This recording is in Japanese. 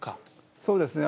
そうですね。